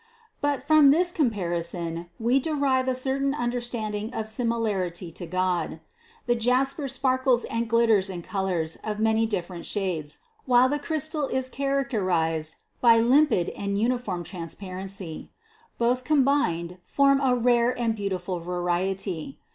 But from this comparison we derive a certain un derstanding of similarity to God. The jasper sparkles and glitters in colors of many different shades, while the crystal is characterized by limpid and uniform transpar ency; both combined form a rare and beautiful variety.